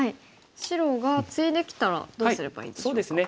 白がツイできたらどうすればいいでしょうか？